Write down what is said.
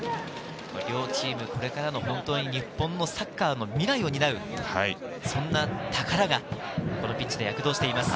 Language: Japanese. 両チーム、これからの日本のサッカーの未来を担うそんな宝が、このピッチで躍動しています。